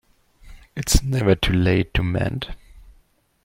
It's never too late to mend.